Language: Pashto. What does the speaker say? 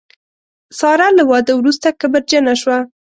ساره له واده وروسته کبرجنه شوه.